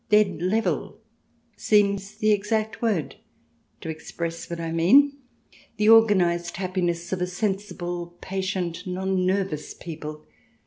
" Dead level " seems the exact word to ex press what I mean — the organized happiness of a sensible, patient, non nervous people.